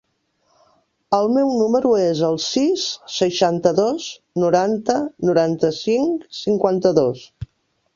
El meu número es el sis, seixanta-dos, noranta, noranta-cinc, cinquanta-dos.